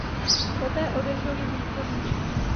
Poté odešel do důchodu.